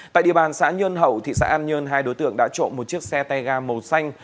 tại địa bàn xã nhơn hậu thị xã an nhơn hai đối tượng đã trộm một chiếc xe tay ga màu xanh